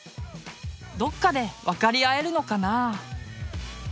どっかで分かり合えるのかな。